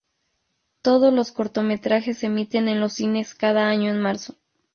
Todos los cortometrajes se emiten en los cines cada año en marzo.